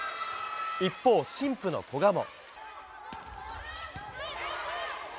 一方、新婦の古賀も。